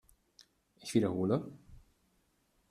Ich wiederhole!